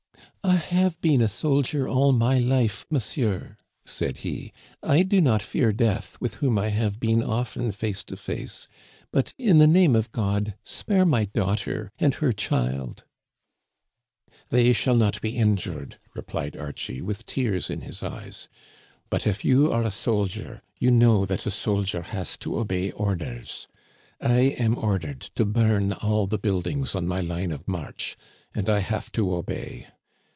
" I have been a soldier all my life, monsieur," said he. " I do not fear death, with whom I have been often face to face, but, in the name of God, spare my daughter and her child !" "They shall not be injured," replied Archie, with tears in his eyes ;but if you are a soldier, you know that a soldier has to obey orders. I am ordered to bum ail the buildings on my line of march, and I have to obey.